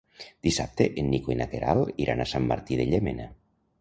Dissabte en Nico i na Queralt iran a Sant Martí de Llémena.